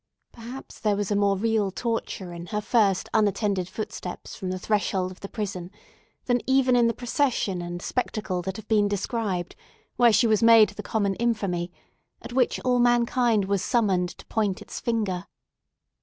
Perhaps there was a more real torture in her first unattended footsteps from the threshold of the prison than even in the procession and spectacle that have been described, where she was made the common infamy, at which all mankind was summoned to point its finger.